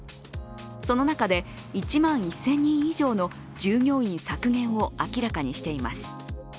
その中で、１万１０００人以上の従業員削減を明らかにしています。